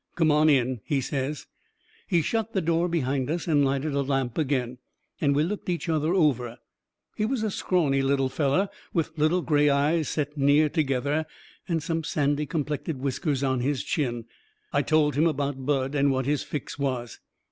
"Come on in," he says. He shut the door behind us and lighted a lamp agin. And we looked each other over. He was a scrawny little feller, with little gray eyes set near together, and some sandy complected whiskers on his chin. I told him about Bud, and what his fix was.